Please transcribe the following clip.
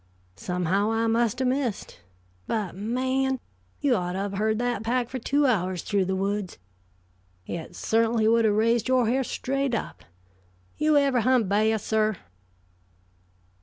Somehow I must have missed. But man! you ought to have heard that pack for two hours through the woods. It certainly would have raised your hair straight up. You ever hunt ba'h, sir?"